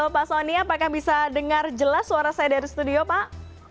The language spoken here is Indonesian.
pak soni apakah bisa dengar jelas suara saya dari studio pak